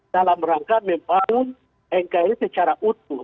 dalam rangka membangun nkri secara utuh